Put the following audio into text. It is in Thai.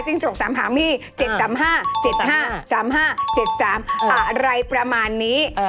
จริงจบสามหามี๗๓๕๗๕๓๕๗๓อะไรประมาณนี้